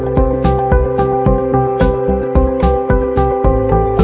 จริงจริงจริงจริงจริงจริงพี่แจ๊คเฮ้ยสวยนะเนี่ยเป็นเล่นไป